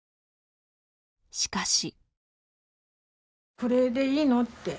しかし。